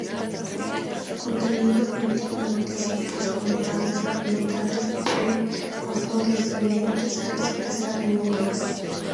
Su contenido aglutina noticias de las comunidades fragmentadas de afrodescendientes para expresarse en Londres.